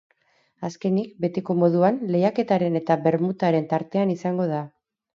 Azkenik, betiko moduan, lehiaketaren eta bermutaren tartea izango da.